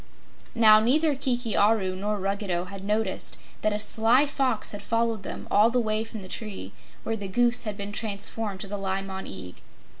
Now, neither Kiki Aru nor Ruggedo had noticed that a sly Fox had followed them all the way from the tree where the Goose had been transformed to the Li Mon Eag.